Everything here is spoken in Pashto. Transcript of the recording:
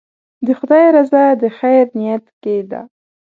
د خدای رضا د خیر نیت کې ده.